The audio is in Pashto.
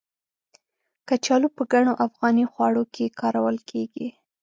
کچالو په ګڼو افغاني خواړو کې کارول کېږي.